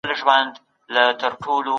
ډاکټر کولای سي د رنځ سمه تشخیص وکړي.